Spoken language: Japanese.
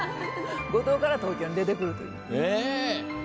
五島から東京に出てくるという。